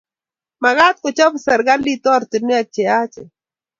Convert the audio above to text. Magat kochob serkalit oratinwek che yachen